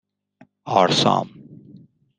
آرسام